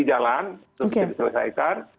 jalan itu bisa diselesaikan